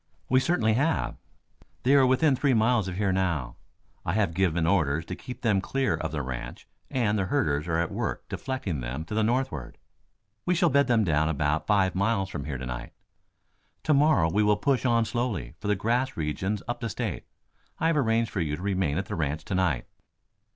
"We certainly have. They are within three miles of here now. I have given orders to keep them clear of the ranch, and the herders are at work deflecting them to the northward. We shall bed them down about five miles from here to night. To morrow we will push on slowly for the grass regions up the state. I have arranged for you to remain at the ranch to night."